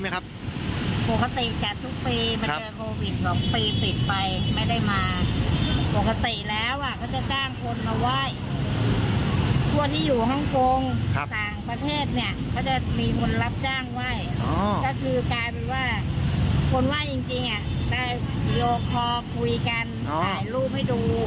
คนไหว้จริงจริงไปยกคอคุยกันถ่ายรูปให้ดู